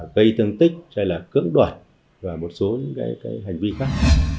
gây tương tích hay là cưỡng đoạn và một số những cái hành vi khác